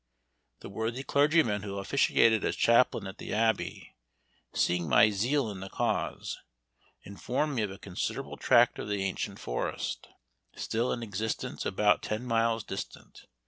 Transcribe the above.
The worthy clergyman who officiated as chaplain at the Abbey, seeing my zeal in the cause, informed me of a considerable tract of the ancient forest, still in existence about ten miles distant.